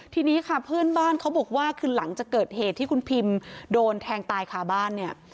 ทีนี้ค่ะเพื่อนบ้านเขาบอกว่าคือหลังจากเกิดเหตุที่คุณพิมโดนแทงตายคาบ้านเนี่ย